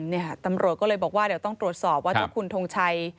เนี่ยตำรวจก็เลยบอกว่าเดี๋ยวต้องตรวจสอบว่าที่คุณทงชัย